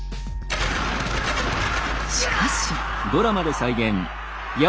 しかし。